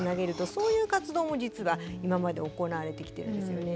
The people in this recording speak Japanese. そういう活動も実は今まで行われてきてるんですよね。